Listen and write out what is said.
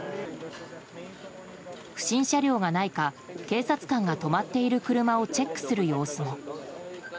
不審車両がないか警察官が止まっている車をチェックする様子も。